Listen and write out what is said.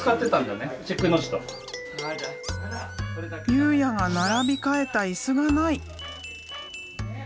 佑哉が並び替えた椅子がない！